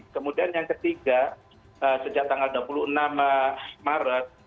kemudian yang ketiga sejak tanggal dua puluh enam maret